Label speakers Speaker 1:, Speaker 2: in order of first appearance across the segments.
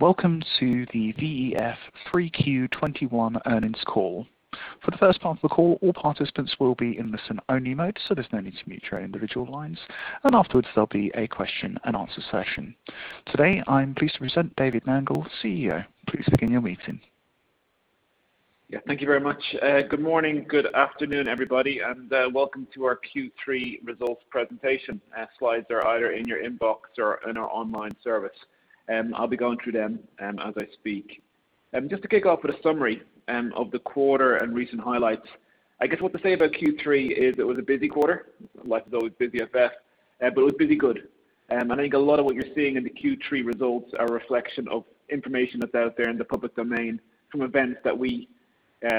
Speaker 1: Welcome to the VEF 3Q 2021 Earnings Call. For the first part of the call, all participants will be in listen-only mode, so there's no need to mute your individual lines. Afterwards, there'll be a question and answer session. Today, I'm pleased to present David Nangle, CEO. Please begin your meeting.
Speaker 2: Yeah. Thank you very much. Good morning, good afternoon, everybody, and welcome to our Q3 results presentation. Slides are either in your inbox or in our online service. I'll be going through them as I speak. Just to kick off with a summary of the quarter and recent highlights. I guess what to say about Q3 is it was a busy quarter, like always busy at VEF, but it was busy good. I think a lot of what you're seeing in the Q3 results are a reflection of information that's out there in the public domain from events that we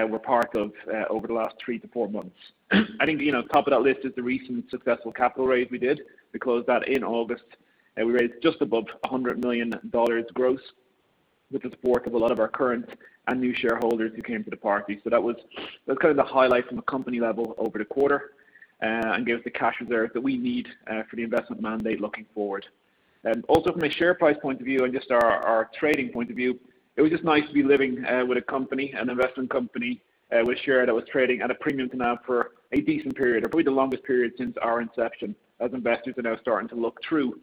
Speaker 2: were part of over the last three to four months. I think, you know, top of that list is the recent successful capital raise we did. We closed that in August, and we raised just above $100 million gross with the support of a lot of our current and new shareholders who came to the party. That was kind of the highlight from a company level over the quarter, and gave us the cash reserve that we need, for the investment mandate looking forward. Also from a share price point of view and just our trading point of view, it was just nice to be living with a company, an investment company, with a share that was trading at a premium to NAV for a decent period, or probably the longest period since our inception as investors are now starting to look through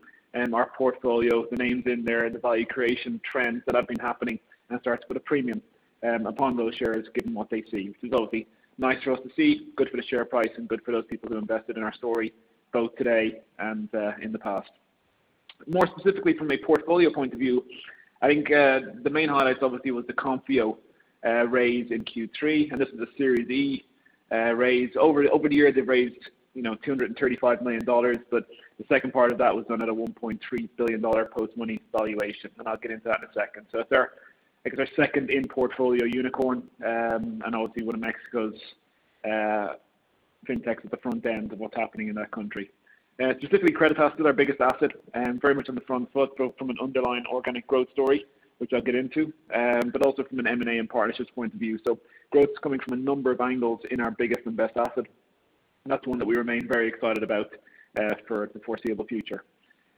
Speaker 2: our portfolio, the names in there, the value creation trends that have been happening and start to put a premium upon those shares given what they see. This is obviously nice for us to see, good for the share price and good for those people who invested in our story both today and in the past. More specifically from a portfolio point of view, I think, the main highlights obviously was the Konfío raise in Q3, and this is a Series D raise. Over the years, they've raised, you know, $235 million, but the second part of that was done at a $1.3 billion post-money valuation, and I'll get into that in a second. It's our, I guess, our second in-portfolio unicorn, and obviously one of Mexico's fintechs at the front end of what's happening in that country. Specifically, Creditas is our biggest asset, very much on the front foot, both from an underlying organic growth story, which I'll get into, but also from an M&A and partnerships point of view. Growth is coming from a number of angles in our biggest and best asset, and that's one that we remain very excited about for the foreseeable future.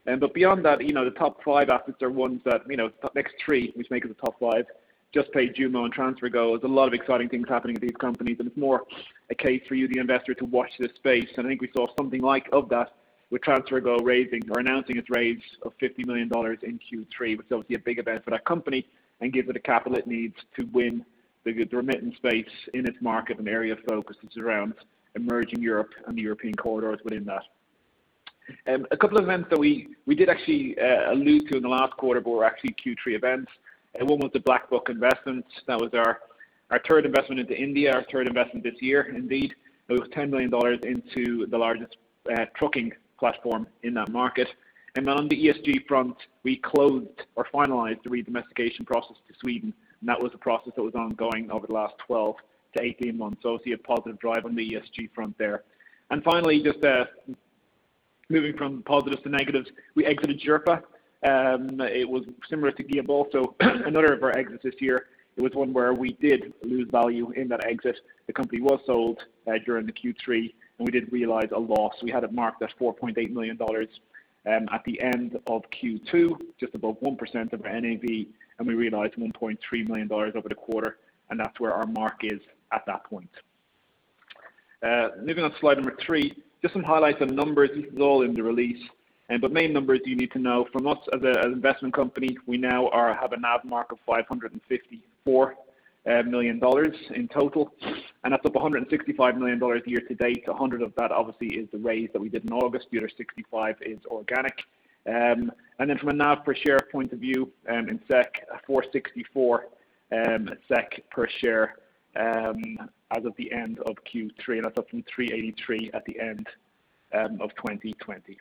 Speaker 2: But beyond that, you know, the top five assets are ones that, you know, next three, which make it the top five, Juspay, Jumo and TransferGo. There's a lot of exciting things happening at these companies, and it's more a case for you, the investor, to watch this space. I think we saw something like that with TransferGo raising or announcing its raise of $50 million in Q3, which is obviously a big event for that company and gives it the capital it needs to win the remittance space in its market and area of focus. It's around emerging Europe and the European corridors within that. A couple of events that we did actually allude to in the last quarter, but were actually Q3 events. One was the BlackBuck investment. That was our third investment into India, our third investment this year. Indeed, it was $10 million into the largest trucking platform in that market. Then on the ESG front, we closed or finalized the redomestication process to Sweden, and that was a process that was ongoing over the last 12 to 18 months. Obviously a positive drive on the ESG front there. Finally, just moving from positives to negatives, we exited Juspay. It was similar to GuiaBolso. Another of our exits this year, it was one where we did lose value in that exit. The company was sold during the Q3, and we did realize a loss. We had it marked at $4.8 million at the end of Q2, just above 1% of our NAV, and we realized $1.3 million over the quarter, and that's where our mark is at that point. Moving on to slide three, just some highlights on numbers. This is all in the release. But main numbers you need to know from us as an investment company, we now have a NAV mark of $554 million in total, and that's up $165 million year to date. 100 of that obviously is the raise that we did in August. The other 65 is organic. Then from a NAV per share point of view, in 464 SEK, SEK per share, as of the end of Q3, and that's up from 383 at the end of 2020.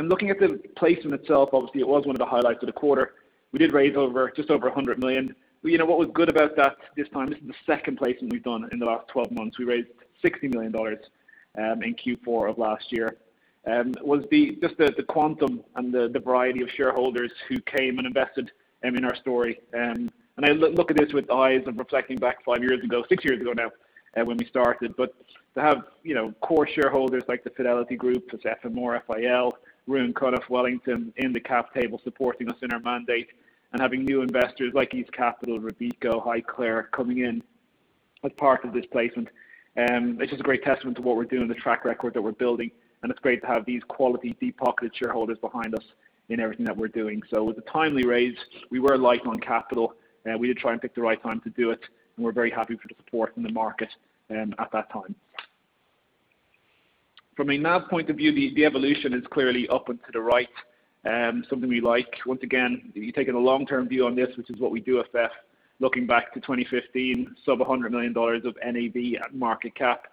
Speaker 2: Looking at the placement itself, obviously it was one of the highlights of the quarter. We did raise just over $100 million. You know what was good about that this time? This is the second placement we've done in the last twelve months. We raised $60 million in Q4 of last year. What was good was just the quantum and the variety of shareholders who came and invested in our story. I look at this with eyes reflecting back five years ago, six years ago now, when we started. To have, you know, core shareholders like the Fidelity Group, FMR, FIL, Ruane, Coatue, Wellington in the cap table supporting us in our mandate and having new investors like East Capital, Robeco, Highclere coming in as part of this placement, it's just a great testament to what we're doing, the track record that we're building, and it's great to have these quality deep-pocketed shareholders behind us in everything that we're doing. It was a timely raise. We were light on capital. We did try and pick the right time to do it, and we're very happy for the support in the market, at that time. From a NAV point of view, the evolution is clearly up and to the right, something we like. Once again, if you're taking a long-term view on this, which is what we do at VEF, looking back to 2015, sub $100 million of NAV at market cap.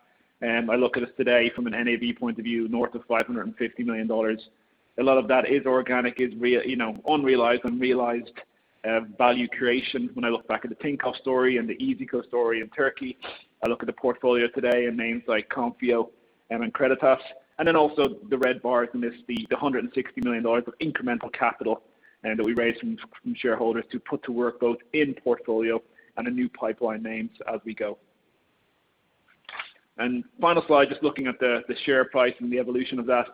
Speaker 2: I look at us today from an NAV point of view, north of $550 million. A lot of that is organic, you know, unrealized and realized value creation when I look back at the Tinkoff story and the iyzico story in Turkey. I look at the portfolio today and names like Konfio and Creditas. Then also the red bars in this, the $160 million of incremental capital that we raised from shareholders to put to work both in portfolio and in new pipeline names as we go. Final slide, just looking at the share price and the evolution of that.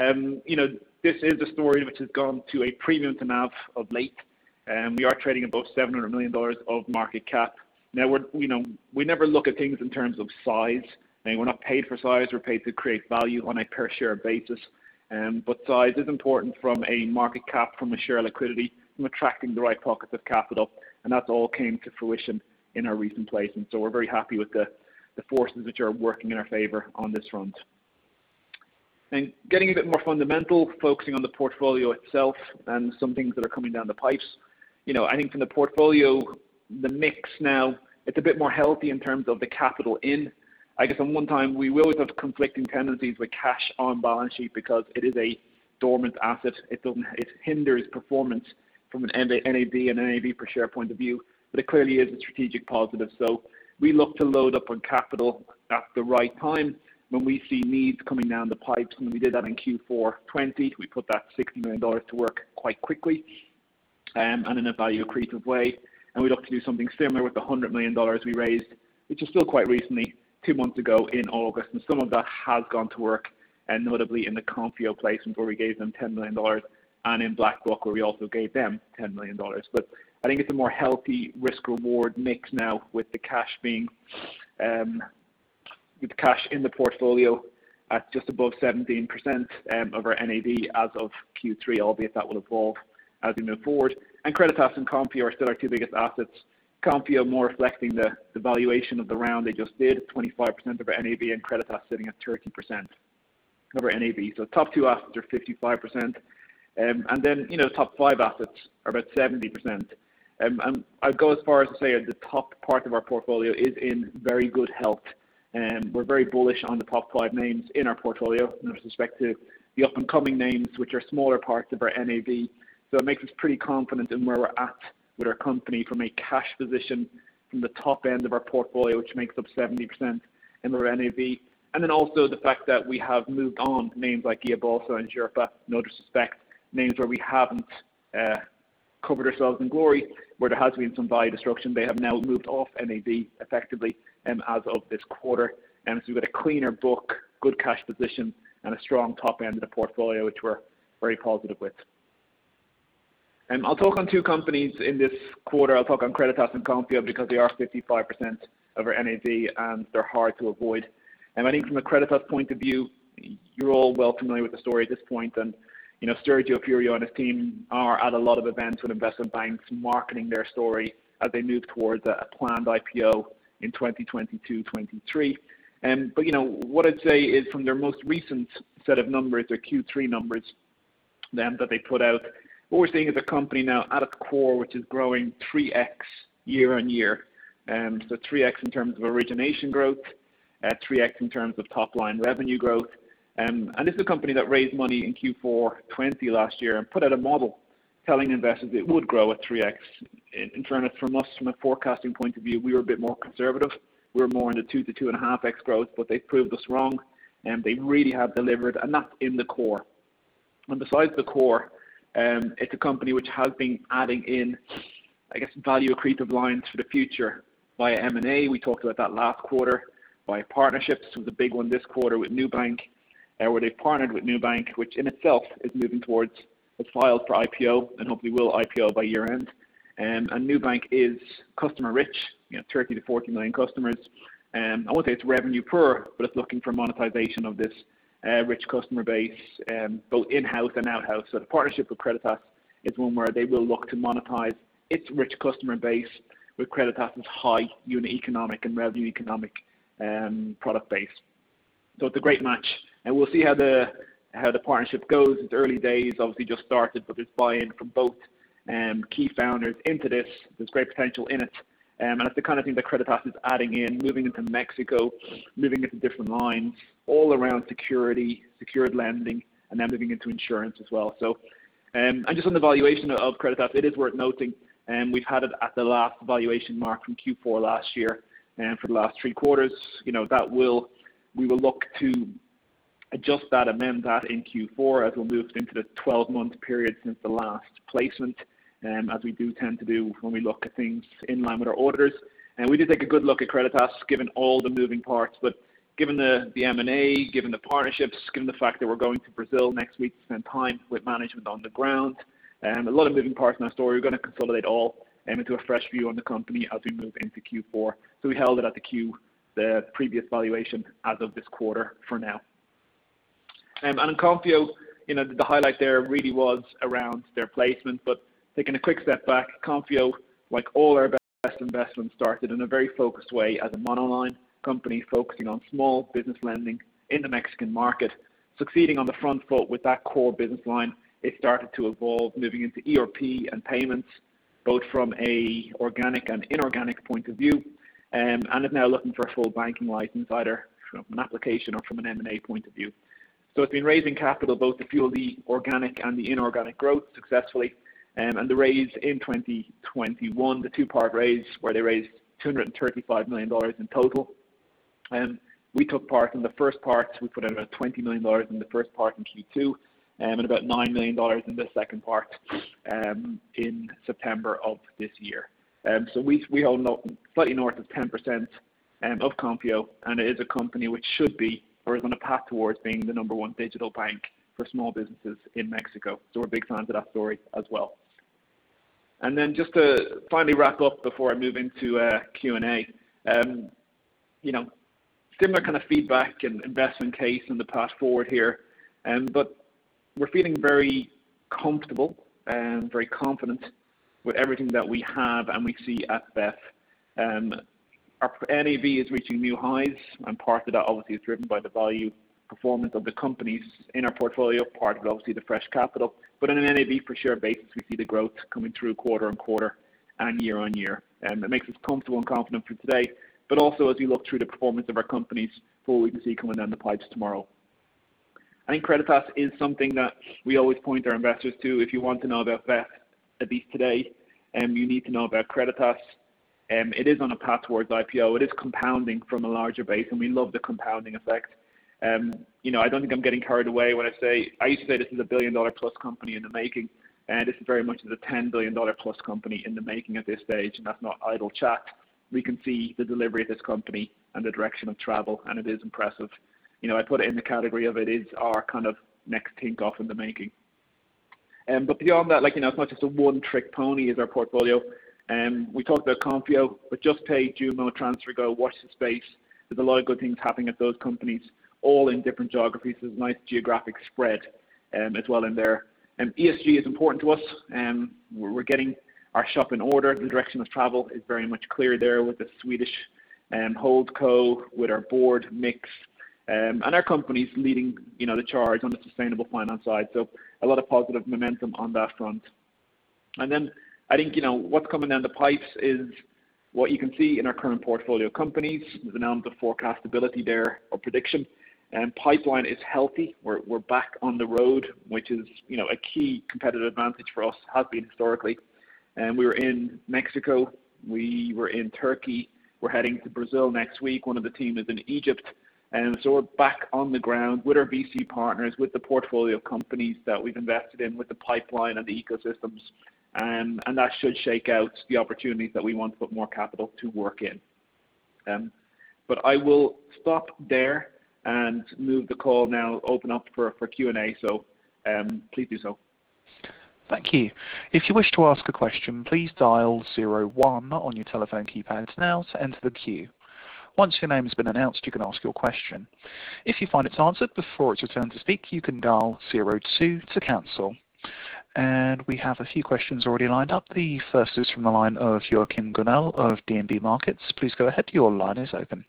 Speaker 2: You know, this is a story which has gone to a premium to NAV of late, and we are trading above $700 million of market cap. Now we're, you know, we never look at things in terms of size, and we're not paid for size. We're paid to create value on a per share basis. But size is important from a market cap, from a share liquidity, from attracting the right pockets of capital, and that's all come to fruition in our recent placement. So we're very happy with the forces which are working in our favor on this front. Getting a bit more fundamental, focusing on the portfolio itself and some things that are coming down the pipes. You know, I think from the portfolio, the mix now it's a bit more healthy in terms of the capital in. I guess at one time we will always have conflicting tendencies with cash on balance sheet because it is a dormant asset. It doesn't, it hinders performance from an NAV and NAV per share point of view, but it clearly is a strategic positive. We look to load up on capital at the right time when we see needs coming down the pipes, and we did that in Q4 2020. We put that $60 million to work quite quickly, and in a value accretive way, and we'd look to do something similar with the $100 million we raised, which is still quite recently, two months ago in August. Some of that has gone to work, and notably in the Konfio placement where we gave them $10 million and in BlackBuck, where we also gave them $10 million. I think it's a more healthy risk reward mix now with cash in the portfolio at just above 17% of our NAV as of Q3. Obviously, that will evolve as we move forward. Creditas and Creditoo are still our two biggest assets. Creditoo more reflecting the valuation of the round they just did, 25% of our NAV and Creditas sitting at 30% of our NAV. Top two assets are 55%. You know, top five assets are about 70%. I'd go as far as to say the top part of our portfolio is in very good health, and we're very bullish on the top five names in our portfolio no respect to the up and coming names, which are smaller parts of our NAV. It makes us pretty confident in where we're at with our company from a cash position from the top end of our portfolio, which makes up 70% of our NAV. Also the fact that we have moved on names like GuiaBolso and Xerpa. No disrespect, names where we haven't covered ourselves in glory, where there has been some value destruction. They have now moved off NAV effectively, as of this quarter. We've got a cleaner book, good cash position, and a strong top end of the portfolio, which we're very positive with. I'll talk on two companies in this quarter. I'll talk on Creditas and Creditoo because they are 55% of our NAV, and they're hard to avoid. I think from a Creditas point of view, you're all well familiar with the story at this point. You know, Sergio Furio and his team are at a lot of events with investment banks marketing their story as they move towards a planned IPO in 2022-2023. You know, what I'd say is from their most recent set of numbers, their Q3 numbers, that they put out, what we're seeing is a company now at a core which is growing 3x year-on-year. Three x in terms of origination growth, three x in terms of top line revenue growth. This is a company that raised money in Q4 2020 last year and put out a model telling investors it would grow at 3x. In turn it from our forecasting point of view, we were a bit more conservative. We were more in the 2-2.5x growth, but they've proved us wrong. They really have delivered, and that's in the core. Besides the core, it's a company which has been adding in, I guess, value accretive lines for the future via M&A. We talked about that last quarter via partnerships with the big one this quarter with Nubank, where they partnered with Nubank, which in itself is moving towards filing for IPO and hopefully will IPO by year-end. Nubank is customer rich, you know, 30-40 million customers. I won't say it's revenue poor, but it's looking for monetization of this, rich customer base, both in-house and outside. The partnership with Creditas is one where they will look to monetize its rich customer base with Creditas' high unit economics and revenue economics, product base. It's a great match, and we'll see how the partnership goes. It's early days, obviously just started, but there's buy-in from both key founders into this. There's great potential in it. It's the kind of thing that Creditas is adding in, moving into Mexico, moving into different lines all around secured lending and then moving into insurance as well. Just on the valuation of Creditas, it is worth noting, we've had it at the last valuation mark from Q4 last year, for the last three quarters. You know, we will look to adjust that, amend that in Q4 as we move into the 12-month period since the last placement, as we do tend to do when we look at things in line with our auditors. We did take a good look at Creditas given all the moving parts. Given the M&A, given the partnerships, given the fact that we're going to Brazil next week to spend time with management on the ground, a lot of moving parts in our story, we're gonna consolidate all into a fresh view on the company as we move into Q4. We held it at the previous valuation as of this quarter for now. In Creditoo, you know, the highlight there really was around their placement. Taking a quick step back, Konfío, like all our best investments, started in a very focused way as a monoline company focusing on small business lending in the Mexican market. Succeeding on the front foot with that core business line, it started to evolve, moving into ERP and payments, both from an organic and inorganic point of view, and is now looking for a full banking license, either from an application or from an M&A point of view. It's been raising capital both to fuel the organic and the inorganic growth successfully, and the raise in 2021, the two-part raise where they raised $235 million in total. We took part in the first part. We put in about $20 million in the first part in Q2, and about $9 million in the second part, in September of this year. We own slightly north of 10% and of Konfío and it is a company which should be or is on a path towards being the number one digital bank for small businesses in Mexico. We're big fans of that story as well. Just to finally wrap up before I move into Q&A. You know, similar kind of feedback and investment case in the path forward here, but we're feeling very comfortable and very confident with everything that we have and we see at VEF. Our NAV is reaching new highs and part of that obviously is driven by the value performance of the companies in our portfolio, part of it obviously the fresh capital. On an NAV per share basis we see the growth coming through quarter-on-quarter and year-on-year. It makes us comfortable and confident for today, but also as we look through the performance of our companies for what we can see coming down the pipes tomorrow. I think Creditas is something that we always point our investors to. If you want to know about VEF, at least today, you need to know about Creditas. It is on a path towards IPO. It is compounding from a larger base and we love the compounding effect. You know, I don't think I'm getting carried away when I say. I used to say this is a billion-dollar-plus company in the making and this very much is a ten billion dollar plus company in the making at this stage. That's not idle chat. We can see the delivery of this company and the direction of travel and it is impressive. You know, I put it in the category of it is our kind of next Tinkoff in the making. But beyond that, like, you know, it's not just a one trick pony is our portfolio. We talked about Konfio but Juspay, Jumo, TransferGo, watch the space. There's a lot of good things happening at those companies all in different geographies. There's a nice geographic spread, as well in there. ESG is important to us. We're getting our shop in order and direction of travel is very much clear there with the Swedish holdco with our board mix, and our companies leading the charge on the sustainable finance side. A lot of positive momentum on that front. I think, you know, what's coming down the pipes is what you can see in our current portfolio companies. There's an element of forecastability there or prediction and pipeline is healthy. We're back on the road which is, you know, a key competitive advantage for us, has been historically. We were in Mexico. We were in Turkey. We're heading to Brazil next week. One of the team is in Egypt. We're back on the ground with our VC partners, with the portfolio companies that we've invested in, with the pipeline and the ecosystems. That should shake out the opportunities that we want to put more capital to work in. I will stop there and move the call now open up for Q&A. Please do so.
Speaker 1: Thank you. We have a few questions already lined up. The first is from the line of Joachim Gunell of DNB Markets. Please go ahead. Your line is open.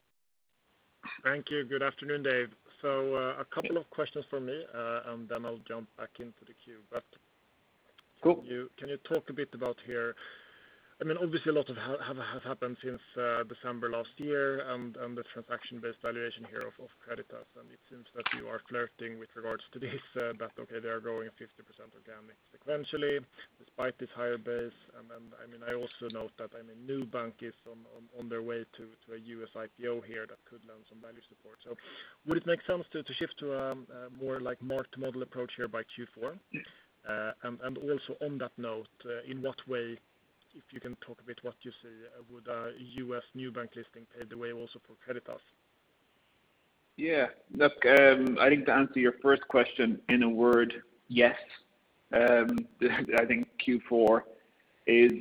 Speaker 3: Thank you. Good afternoon, Dave. A couple of questions from me, and then I'll jump back into the queue.
Speaker 2: Cool.
Speaker 3: Can you talk a bit about here? I mean obviously a lot has happened since December last year and the transaction-based valuation here of Creditas and it seems that you are flirting with regards to this that okay they are growing 50% organically sequentially despite this higher base. I also note that Nubank is on their way to a U.S. IPO here that could lend some value support. Would it make sense to shift to more like market model approach here by Q4?
Speaker 2: Yes.
Speaker 3: Also on that note, in what way, if you can talk a bit, what you see would a U.S. Nubank listing pave the way also for Creditas?
Speaker 2: Yeah. Look, I think to answer your first question in a word, yes. I think Q4 is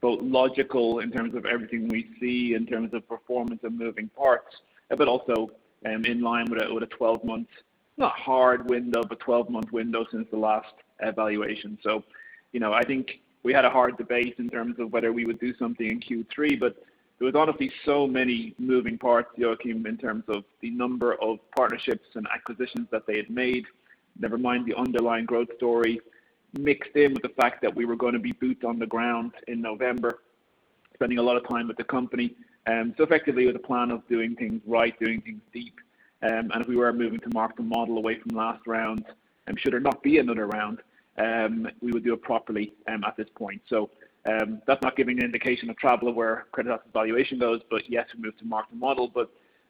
Speaker 2: both logical in terms of everything we see, in terms of performance and moving parts, but also, in line with a 12-month, not hard window, but 12-month window since the last valuation. You know I think we had a hard debate in terms of whether we would do something in Q3, but there was gonna be so many moving parts, Joachim in terms of the number of partnerships and acquisitions that they had made, never mind the underlying growth story mixed in with the fact that we were gonna be boots on the ground in November spending a lot of time with the company. Effectively it was a plan of doing things right, doing things deep. If we were moving to mark-to-market model away from last round and should there not be another round, we would do it properly at this point. That's not giving an indication of travel of where Creditas valuation goes, but yes, we move to mark-to-market model.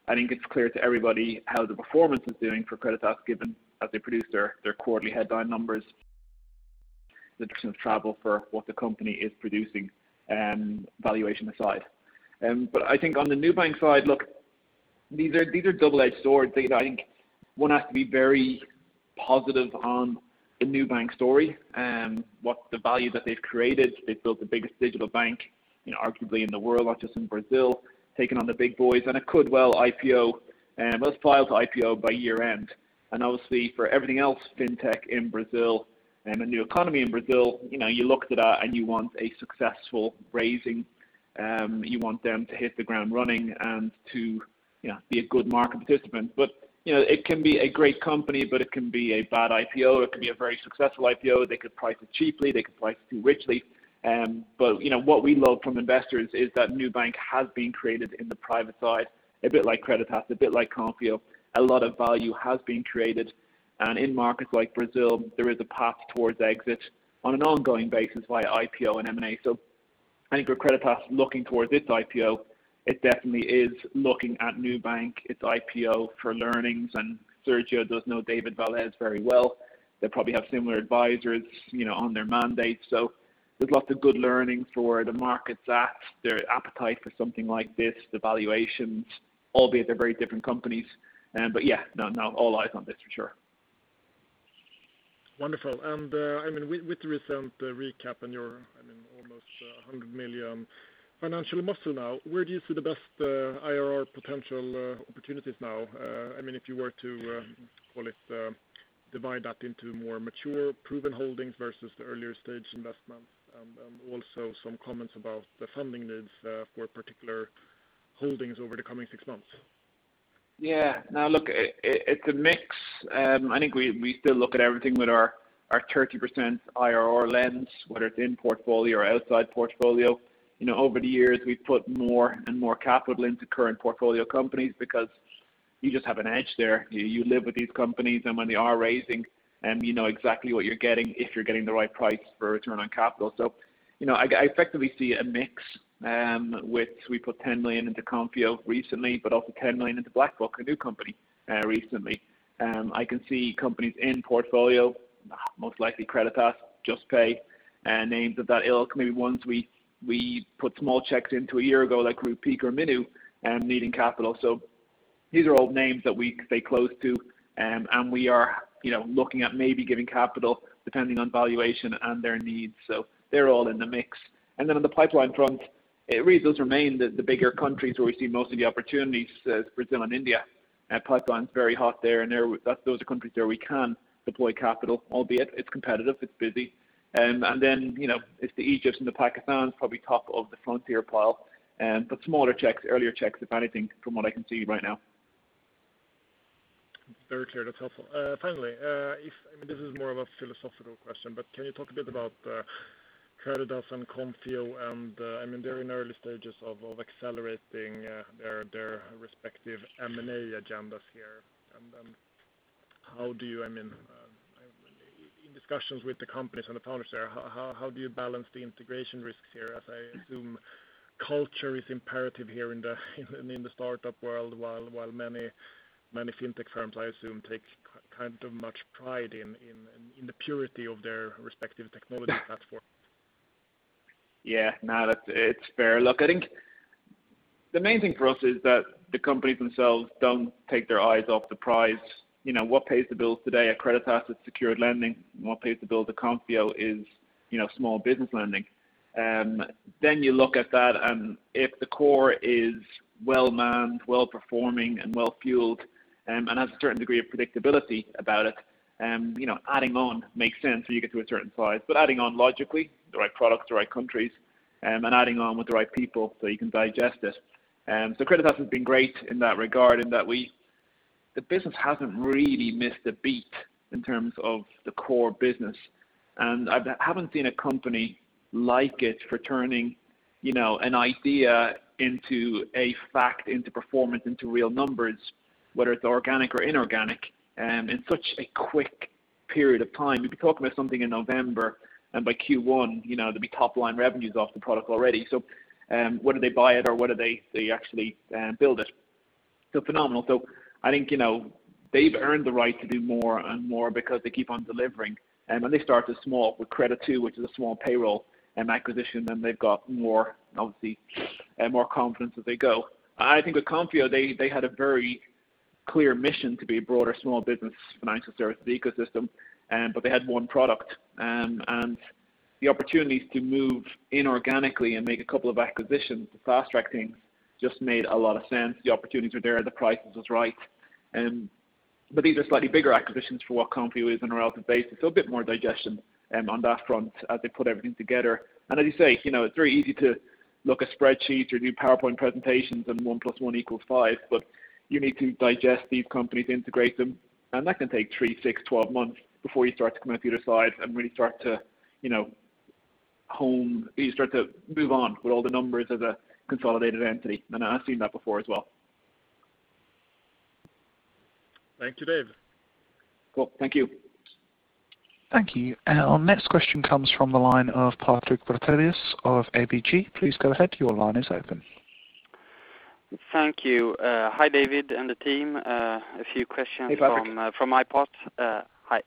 Speaker 2: I think it's clear to everybody how the performance is doing for Creditas given that they produce their quarterly headline numbers, the direction of travel for what the company is producing, valuation aside. I think on the Nubank side, look, these are double-edged swords. I think one has to be very positive on the Nubank story. What the value that they've created, they've built the biggest digital bank, you know, arguably in the world, not just in Brazil, taking on the big boys and it could well IPO. They'll file to IPO by year end. Obviously for everything else, fintech in Brazil and the new economy in Brazil, you know you look to that and you want a successful raising. You want them to hit the ground running and to you know be a good market participant. You know it can be a great company but it can be a bad IPO. It can be a very successful IPO. They could price it cheaply. They could price it too richly. You know what we love from investors is that Nubank has been created in the private side, a bit like Creditas, a bit like Konfio. A lot of value has been created and in markets like Brazil there is a path towards exit on an ongoing basis via IPO and M&A. I think for Creditas looking towards its IPO it definitely is looking at Nubank, its IPO for learnings and Sergio does know David Vélez very well. They probably have similar advisors, you know, on their mandate. There's lots of good learning for where the market's at, their appetite for something like this, the valuations, albeit they're very different companies. But yeah, no, all eyes on this for sure.
Speaker 3: Wonderful. I mean, with the recent recap and your I mean, almost $100 million financial muscle now, where do you see the best IRR potential opportunities now? I mean, if you were to call it divide that into more mature proven holdings versus the earlier stage investments and also some comments about the funding needs for particular holdings over the coming six months.
Speaker 2: Yeah. Now look, it's a mix. I think we still look at everything with our 30% IRR lens, whether it's in portfolio or outside portfolio. You know, over the years, we've put more and more capital into current portfolio companies because you just have an edge there. You live with these companies, and when they are raising, you know exactly what you're getting if you're getting the right price for return on capital. You know, I effectively see a mix. We put 10 million into Konfio recently, but also 10 million into BlackBuck, a new company, recently. I can see companies in portfolio, most likely Creditas, Juspay, names of that ilk, maybe ones we put small checks into a year ago, like Rupeek or Minu, needing capital. These are all names that we stay close to, and we are, you know, looking at maybe giving capital depending on valuation and their needs. They're all in the mix. Then on the pipeline front, it really does remain the bigger countries where we see most of the opportunities as Brazil and India. Pipeline's very hot there, and those are countries where we can deploy capital, albeit it's competitive, it's busy. You know, it's the Egypts and the Pakistans probably top of the frontier pile. Smaller checks, earlier checks, if anything, from what I can see right now.
Speaker 3: Very clear. That's helpful. Finally, I mean, this is more of a philosophical question, but can you talk a bit about Creditas and Konfío? I mean, they're in early stages of accelerating their respective M&A agendas here. How do you, I mean, in discussions with the companies and the founders there, how do you balance the integration risks here, as I assume culture is imperative here in the startup world while many fintech firms, I assume, take kind of much pride in the purity of their respective technology platforms?
Speaker 2: Yeah. No, that's it. It's fair. Look, I think the main thing for us is that the companies themselves don't take their eyes off the prize. You know, what pays the bills today at Creditas is secured lending. What pays the bills at Konfío is, you know, small business lending. Then you look at that, and if the core is well-manned, well-performing, and well-fueled, and has a certain degree of predictability about it, you know, adding on makes sense till you get to a certain size, but adding on logically, the right products, the right countries, and adding on with the right people so you can digest it. Creditas has been great in that regard. The business hasn't really missed a beat in terms of the core business. I haven't seen a company like it for turning, you know, an idea into a fact, into performance, into real numbers, whether it's organic or inorganic, in such a quick period of time. We'd be talking about something in November, and by Q1, you know, there'd be top line revenues off the product already. Whether they buy it or whether they actually build it. Phenomenal. I think, you know, they've earned the right to do more and more because they keep on delivering. When they start as small with Creditoo, which is a small payroll and acquisition, then they've got more, obviously, more confidence as they go. I think with Konfío, they had a very clear mission to be a broader small business financial service ecosystem, but they had one product. The opportunities to move inorganically and make a couple of acquisitions to fast-track things just made a lot of sense. The opportunities were there. The price was right. These are slightly bigger acquisitions for what Konfío is on a relative basis, so a bit more digestion on that front as they put everything together. As you say, you know, it's very easy to look at spreadsheets or do PowerPoint presentations and 1+1=5, but you need to digest these companies, integrate them, and that can take three, six, 12 months before you start to come out the other side and really start to, you know, move on with all the numbers as a consolidated entity. I've seen that before as well.
Speaker 3: Thank you, Dave.
Speaker 2: Cool. Thank you.
Speaker 1: Thank you. Our next question comes from the line of Patrik Brattelius of ABG. Please go ahead. Your line is open.
Speaker 4: Thank you. Hi, David and the team. A few questions.
Speaker 2: Hey, Patrik.
Speaker 4: From my part. Hi.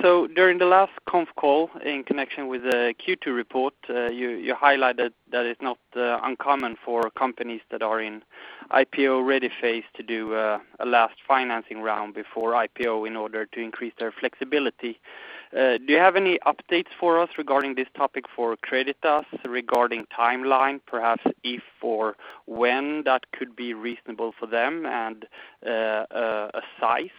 Speaker 4: So during the last conference call in connection with the Q2 report, you highlighted that it's not uncommon for companies that are in IPO-ready phase to do a last financing round before IPO in order to increase their flexibility. Do you have any updates for us regarding this topic for Creditas regarding timeline, perhaps if or when that could be reasonable for them and a size?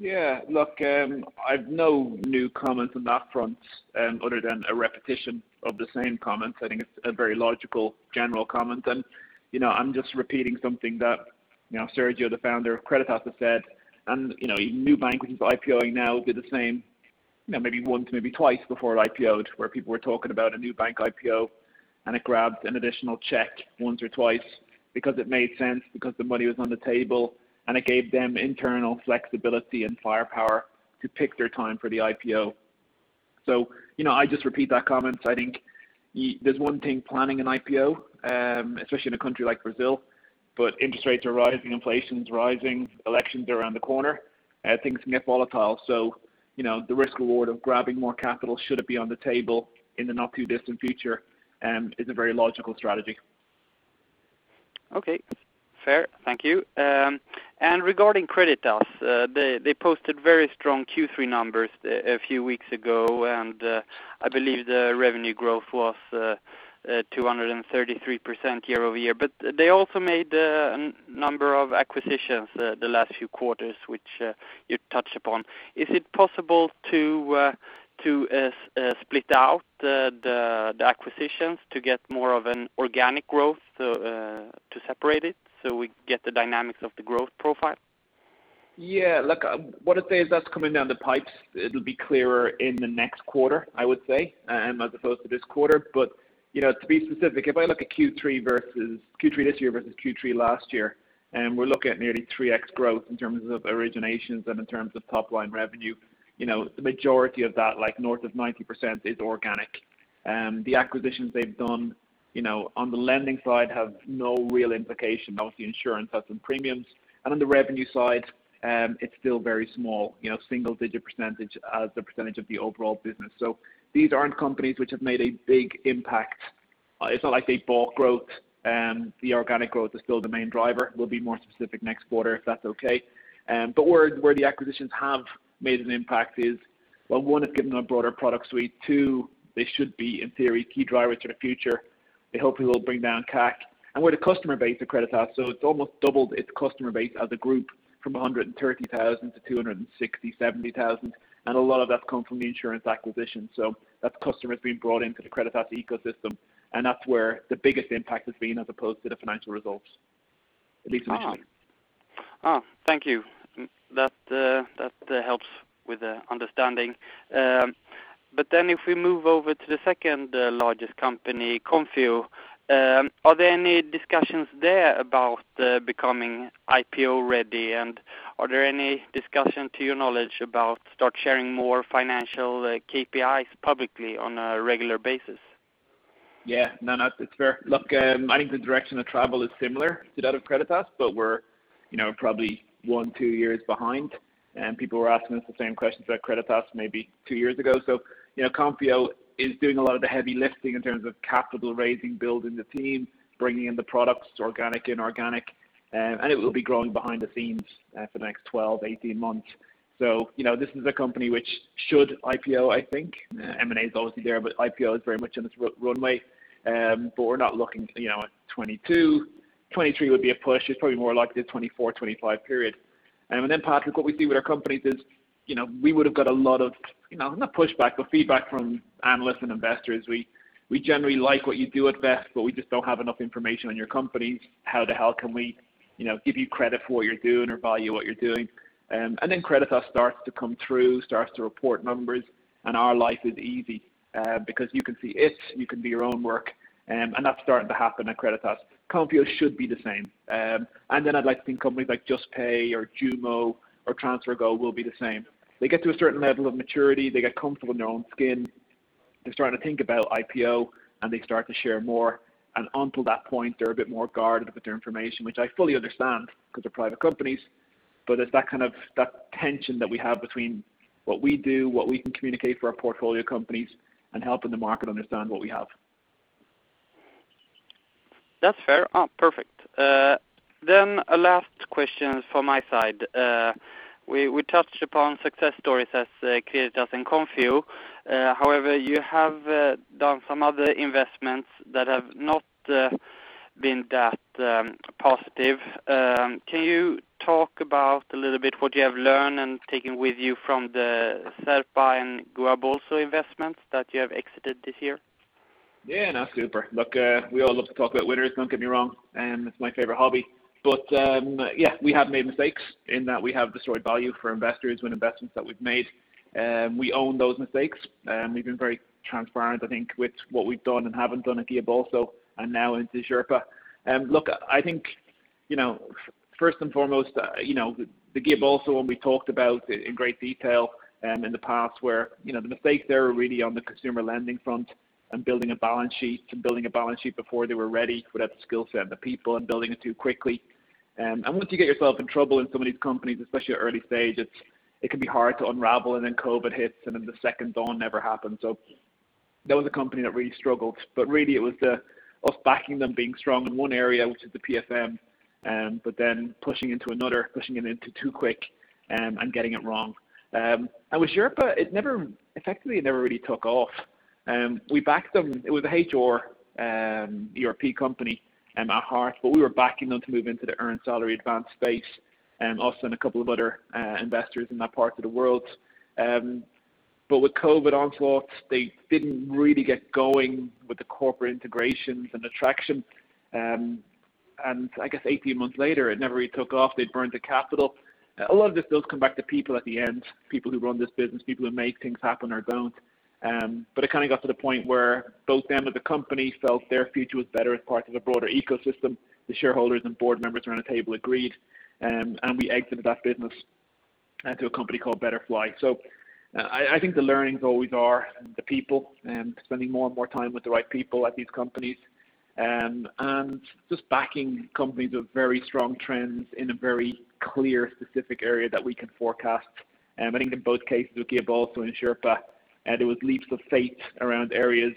Speaker 2: Yeah. Look, I've no new comment on that front, other than a repetition of the same comments. I think it's a very logical general comment. You know, I'm just repeating something that, you know, Sergio Furio, the founder of Creditas, has said, and, you know, even Nubank, which is IPOing now, did the same, you know, maybe once, maybe twice before it IPO'd, where people were talking about a Nubank IPO, and it grabbed an additional check once or twice because it made sense because the money was on the table, and it gave them internal flexibility and firepower to pick their time for the IPO. You know, I just repeat that comment. I think there's one thing planning an IPO, especially in a country like Brazil, but interest rates are rising, inflation's rising, elections are around the corner, things can get volatile. You know, the risk reward of grabbing more capital should it be on the table in the not-too-distant future is a very logical strategy.
Speaker 4: Okay. Fair. Thank you. Regarding Creditas, they posted very strong Q3 numbers a few weeks ago, and I believe the revenue growth was 233% year-over-year. They also made a number of acquisitions the last few quarters, which you touched upon. Is it possible to split out the acquisitions to get more of an organic growth, to separate it so we get the dynamics of the growth profile?
Speaker 2: Yeah. Look, what I'd say is that's coming down the pipes. It'll be clearer in the next quarter, I would say, as opposed to this quarter. You know, to be specific, if I look at Q3 versus Q3 this year versus Q3 last year, we're looking at nearly 3x growth in terms of originations and in terms of top-line revenue. You know, the majority of that, like north of 90% is organic. The acquisitions they've done, you know, on the lending side have no real implication. Obviously, insurance has some premiums. On the revenue side, it's still very small, you know, single-digit % as a percentage of the overall business. These aren't companies which have made a big impact. It's not like they bought growth. The organic growth is still the main driver. We'll be more specific next quarter, if that's okay. Where the acquisitions have made an impact is, well, one, it's given them a broader product suite. Two, they should be, in theory, key drivers for the future. They hopefully will bring down CAC. Where the customer base of Creditas, it's almost doubled its customer base as a group from 130,000-267,000, and a lot of that's come from the insurance acquisition. That customer is being brought into the Creditas ecosystem, and that's where the biggest impact has been as opposed to the financial results. At least for me.
Speaker 4: Thank you. That helps with the understanding. If we move over to the second largest company, Konfío, are there any discussions there about becoming IPO ready? Are there any discussion to your knowledge about start sharing more financial KPIs publicly on a regular basis?
Speaker 2: Yeah. No, no, it's fair. Look, I think the direction of travel is similar to that of Creditas, but we're, you know, probably one-two years behind, and people were asking us the same questions about Creditas maybe two years ago. You know, Konfio is doing a lot of the heavy lifting in terms of capital raising, building the team, bringing in the products, organic, inorganic, and it will be growing behind the scenes for the next 12-18 months. You know, this is a company which should IPO, I think. M&A is obviously there, but IPO is very much in its runway. We're not looking, you know, at 2022. 2023 would be a push. It's probably more likely the 2024-2025 period. Patrik, what we see with our companies is, you know, we would have got a lot of, you know, not pushback, but feedback from analysts and investors. We generally like what you do at VEF, but we just don't have enough information on your companies. How the hell can we, you know, give you credit for what you're doing or value what you're doing? Creditas starts to come through, starts to report numbers, and our life is easy, because you can see it, you can do your own work. That's starting to happen at Creditas. Konfío should be the same. I'd like to think companies like Juspay or Jumo or TransferGo will be the same. They get to a certain level of maturity, they get comfortable in their own skin, they're starting to think about IPO, and they start to share more. Until that point, they're a bit more guarded with their information, which I fully understand because they're private companies. It's that kind of tension that we have between what we do, what we can communicate for our portfolio companies, and helping the market understand what we have.
Speaker 4: That's fair. Perfect. A last question from my side. We touched upon success stories as Creditas and Konfío. However, you have done some other investments that have not been that positive. Can you talk about a little bit what you have learned and taken with you from the Xerpa and GuiaBolso investments that you have exited this year?
Speaker 2: Yeah, no, super. Look, we all love to talk about winners, don't get me wrong, it's my favorite hobby. Yeah, we have made mistakes in that we have destroyed value for investors when investments that we've made. We own those mistakes. We've been very transparent, I think, with what we've done and haven't done at GuiaBolso and now into Xerpa. Look, I think, you know, first and foremost, you know, the GuiaBolso one we talked about in great detail, in the past where, you know, the mistakes there are really on the consumer lending front and building a balance sheet before they were ready without the skill set and the people and building it too quickly. Once you get yourself in trouble in some of these companies, especially at early stage, it can be hard to unravel, and then COVID hits, and then the second dawn never happens. That was a company that really struggled. Really it was us backing them being strong in one area, which is the PFM, but then pushing into another, pushing it into too quick, and getting it wrong. With Xerpa, effectively, it never really took off. We backed them. It was an HR ERP company at heart, but we were backing them to move into the earned salary advance space, us and a couple of other investors in that part of the world. With COVID onslaught, they didn't really get going with the corporate integrations and traction. I guess 18 months later, it never really took off. They'd burned the capital. A lot of this does come back to people at the end, people who run this business, people who make things happen or don't. But it kinda got to the point where both them and the company felt their future was better as part of a broader ecosystem. The shareholders and board members around the table agreed, and we exited that business to a company called Betterfly. So I think the learnings always are the people and spending more and more time with the right people at these companies. Just backing companies with very strong trends in a very clear specific area that we can forecast. I think in both cases with GuiaBolso and Xerpa, there was leaps of faith around areas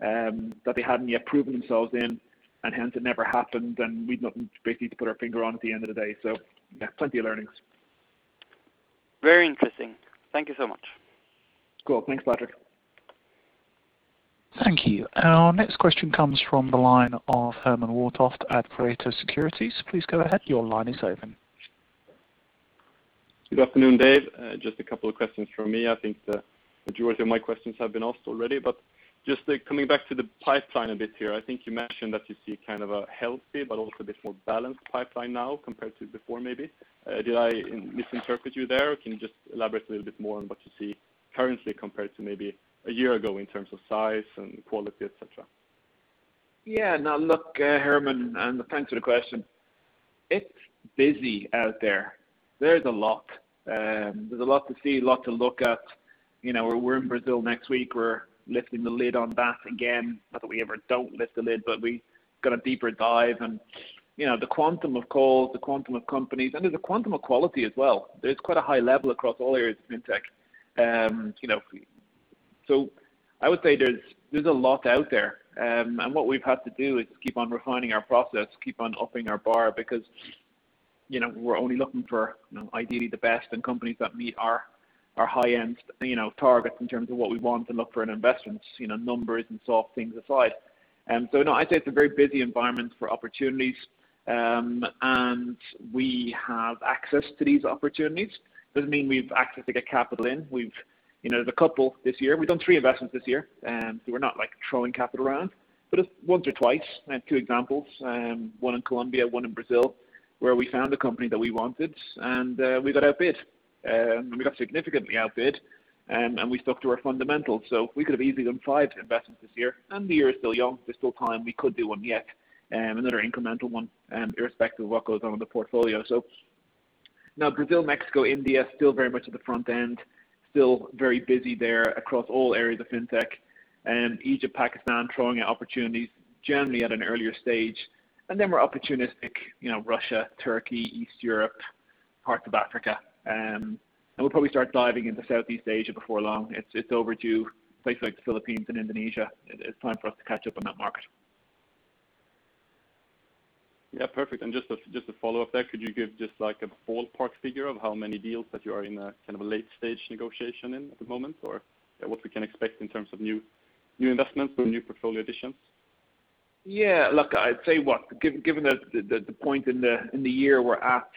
Speaker 2: that they hadn't yet proven themselves in, and hence it never happened. We had nothing basically to put our finger on at the end of the day. Yeah, plenty of learnings.
Speaker 4: Very interesting. Thank you so much.
Speaker 2: Cool. Thanks, Patrik.
Speaker 1: Thank you. Our next question comes from the line of Herman Wartoft at Pareto Securities. Please go ahead. Your line is open.
Speaker 5: Good afternoon, Dave. Just a couple of questions from me. I think the majority of my questions have been asked already, but just like coming back to the pipeline a bit here, I think you mentioned that you see kind of a healthy but also a bit more balanced pipeline now compared to before, maybe. Did I misinterpret you there, or can you just elaborate a little bit more on what you see currently compared to maybe a year ago in terms of size and quality, et cetera?
Speaker 2: Yeah. Now look, Herman Wartoft, and thanks for the question. It's busy out there. There's a lot. There's a lot to see, a lot to look at. You know, we're in Brazil next week. We're lifting the lid on that again. Not that we ever don't lift the lid, but we got a deeper dive and, you know, the quantum of calls, the quantum of companies, and there's a quantum of quality as well. There's quite a high level across all areas of fintech. You know, so I would say there's a lot out there. What we've had to do is keep on refining our process, keep on upping our bar because, you know, we're only looking for, you know, ideally the best and companies that meet our high-end, you know, targets in terms of what we want to look for in investments, you know, numbers and soft things aside. No, I'd say it's a very busy environment for opportunities, and we have access to these opportunities. Doesn't mean we've access to get capital in. You know, there's a couple this year. We've done three investments this year, so we're not, like, throwing capital around. It's once or twice. I have two examples, one in Colombia, one in Brazil, where we found a company that we wanted and we got outbid. We got significantly outbid and we stuck to our fundamentals. We could have easily done five investments this year, and the year is still young. There's still time. We could do one yet, another incremental one, irrespective of what goes on in the portfolio. Now Brazil, Mexico, India, still very much at the front end, still very busy there across all areas of fintech. Egypt, Pakistan, throwing out opportunities generally at an earlier stage. Then we're opportunistic, you know, Russia, Turkey, East Europe, parts of Africa. We'll probably start diving into Southeast Asia before long. It's overdue. Places like the Philippines and Indonesia, it's time for us to catch up on that market.
Speaker 5: Yeah, perfect. Just a follow-up there. Could you give just, like, a ballpark figure of how many deals that you are in a kind of a late stage negotiation in at the moment, or what we can expect in terms of new investments or new portfolio additions?
Speaker 2: Yeah. Look, I'd say, given the point in the year we're at,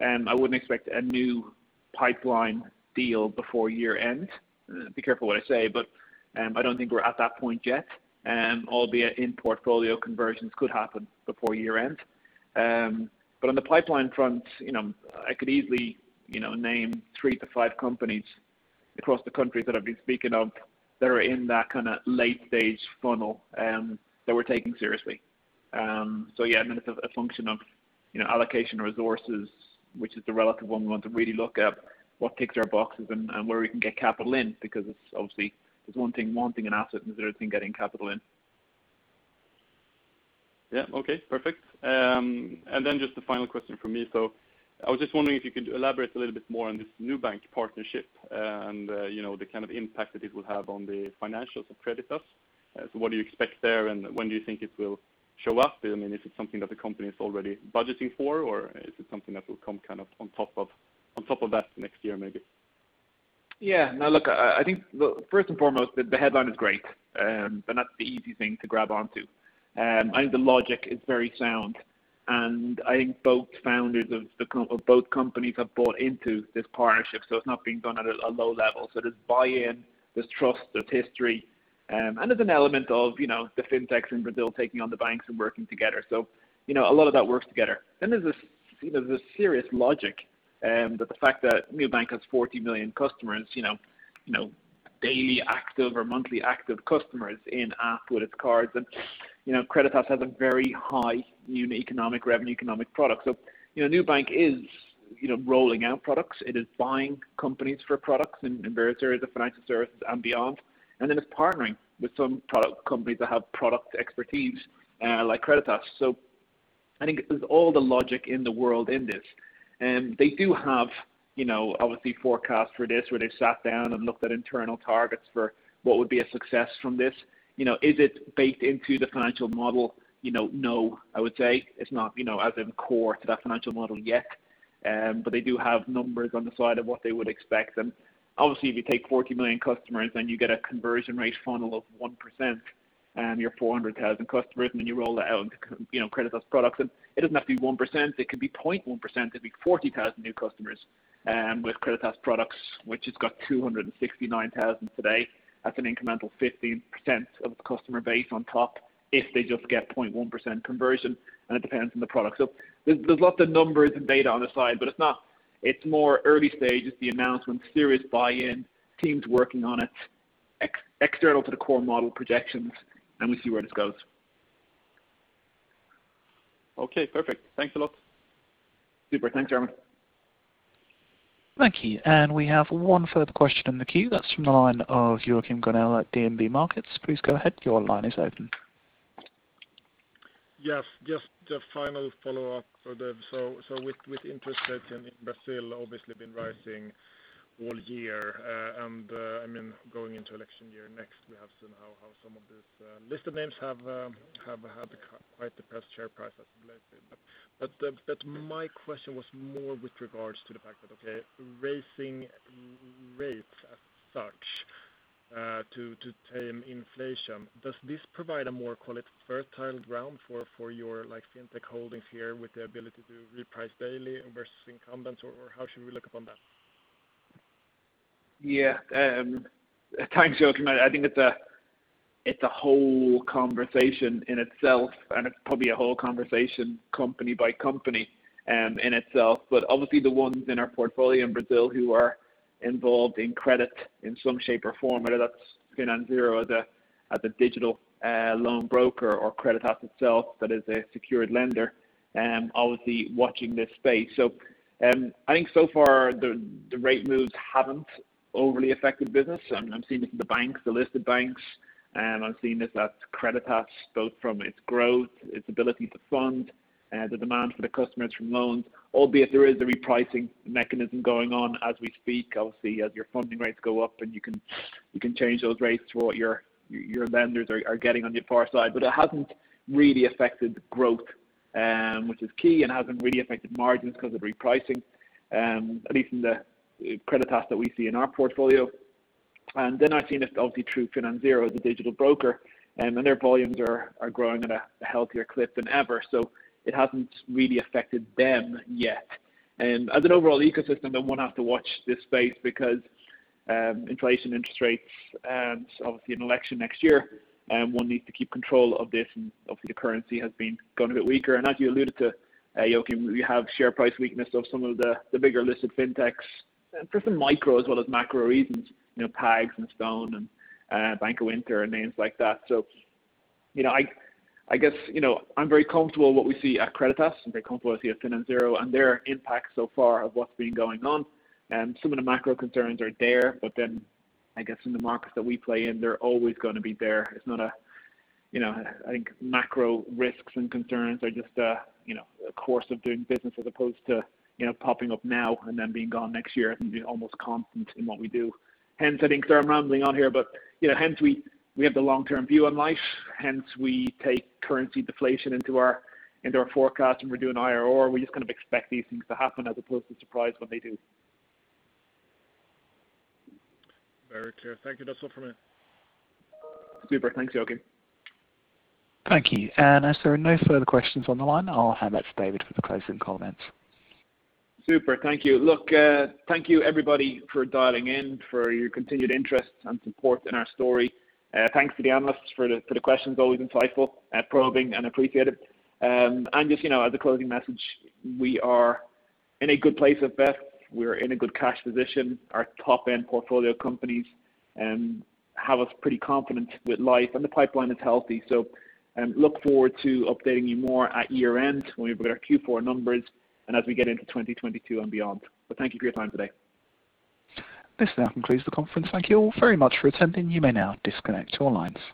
Speaker 2: I wouldn't expect a new pipeline deal before year-end. Be careful what I say, but I don't think we're at that point yet. Albeit in portfolio conversions could happen before year-end. On the pipeline front, you know, I could easily, you know, name three-five companies across the countries that I've been speaking of that are in that kinda late stage funnel that we're taking seriously. Yeah, and then it's a function of, you know, allocation resources, which is the relative one we want to really look at what ticks our boxes and where we can get capital in because it's obviously one thing wanting an asset and it's another thing getting capital in.
Speaker 5: Yeah. Okay, perfect. And then just a final question from me. I was just wondering if you could elaborate a little bit more on this Nubank partnership and, you know, the kind of impact that it will have on the financials of Creditas. So what do you expect there, and when do you think it will show up? I mean, is it something that the company is already budgeting for, or is it something that will come kind of on top of that next year, maybe?
Speaker 2: Yeah. Now, look, I think, look, first and foremost, the headline is great, but that's the easy thing to grab on to. I think the logic is very sound, and I think both founders of both companies have bought into this partnership, so it's not being done at a low level. There's buy-in, there's trust, there's history, and there's an element of, you know, the fintechs in Brazil taking on the banks and working together. You know, a lot of that works together. There's you know, there's a serious logic, that the fact that Nubank has 40 million customers, you know, daily active or monthly active customers in app with its cards. You know, Creditas has a very high unit economic, revenue economic product. You know, Nubank is, you know, rolling out products. It is buying companies for products in various areas of financial services and beyond, and then it's partnering with some product companies that have product expertise, like Creditas. I think there's all the logic in the world in this. They do have, you know, obviously forecasts for this where they've sat down and looked at internal targets for what would be a success from this. You know, is it baked into the financial model? You know, no, I would say. It's not, you know, as in core to that financial model yet. They do have numbers on the side of what they would expect. Obviously, if you take 40 million customers, then you get a conversion rate funnel of 1%, you have 400,000 customers, and then you roll out, you know, Creditas products. It doesn't have to be 1%, it could be 0.1%. It'd be 40,000 new customers with Creditas products, which has got 269,000 today. That's an incremental 15% of the customer base on top if they just get 0.1% conversion, and it depends on the product. So there's lots of numbers and data on the side, but it's not. It's more early stages, the announcement, serious buy-in, teams working on it, external to the core model projections, and we see where this goes.
Speaker 5: Okay, perfect. Thanks a lot.
Speaker 2: Super. Thanks, Jeremy.
Speaker 1: Thank you. We have one further question in the queue. That's from the line of Joachim Gunell at DNB Markets. Please go ahead. Your line is open.
Speaker 3: Yes. Just a final follow-up for them. Interest rates in Brazil have obviously been rising all year. I mean, going into election year next, we have seen how some of these listed names have quite depressed share prices lately. My question was more with regards to the fact that, okay, raising rates as such to tame inflation, does this provide a more quality fertile ground for your like fintech holdings here with the ability to reprice daily versus incumbents? How should we look upon that?
Speaker 2: Yeah. Thanks, Joachim. I think it's a whole conversation in itself, and it's probably a whole conversation company by company, in itself. Obviously the ones in our portfolio in Brazil who are involved in credit in some shape or form, whether that's FinanZero as a digital loan broker or Creditas itself, that is a secured lender, obviously watching this space. I think so far the rate moves haven't overly affected business. I'm seeing this in the banks, the listed banks, I'm seeing this at Creditas both from its growth, its ability to fund, the demand from the customers for loans, albeit there is a repricing mechanism going on as we speak. Obviously, as your funding rates go up and you can change those rates to what your lenders are getting on your far side. It hasn't really affected growth, which is key and hasn't really affected margins because of repricing. At least in the Creditas that we see in our portfolio. I've seen this obviously through FinanZero as a digital broker, and their volumes are growing at a healthier clip than ever. It hasn't really affected them yet. As an overall ecosystem, one have to watch this space because inflation, interest rates, obviously an election next year, one needs to keep control of this and obviously the currency has been going a bit weaker. As you alluded to, Joachim, you have share price weakness of some of the bigger listed fintechs for some micro as well as macro reasons. You know, PAGS and Stone and Banco Inter and names like that. You know, I guess, you know, I'm very comfortable with what we see at Creditas. I'm very comfortable with what we see at FinanZero and their impact so far of what's been going on. Some of the macro concerns are there, but then I guess in the markets that we play in, they're always gonna be there. It's not a. You know, I think macro risks and concerns are just a, you know, a course of doing business as opposed to, you know, popping up now and then being gone next year and being almost constant in what we do. Hence, I think. Sorry, I'm rambling on here, but you know, hence we have the long term view on life. Hence we take currency deflation into our forecast when we're doing IRR. We just kind of expect these things to happen as opposed to surprise when they do.
Speaker 3: Very clear. Thank you. That's all from me.
Speaker 2: Super. Thanks, Joachim.
Speaker 1: Thank you. As there are no further questions on the line, I'll hand back to David for the closing comments.
Speaker 2: Super. Thank you. Look, thank you everybody for dialing in, for your continued interest and support in our story. Thanks to the analysts for the questions, always insightful, probing and appreciated. Just, you know, as a closing message, we are in a good place at VEF, we're in a good cash position. Our top end portfolio companies have us pretty confident with life and the pipeline is healthy. Look forward to updating you more at year-end when we have our Q4 numbers and as we get into 2022 and beyond. Thank you for your time today.
Speaker 1: This now concludes the conference. Thank you all very much for attending. You may now disconnect your lines.